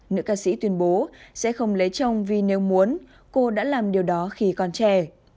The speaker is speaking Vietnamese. nữ ca sĩ tuyên bố sẽ không lấy chồng vì nếu muốn cô đã làm điều đó khi còn trẻ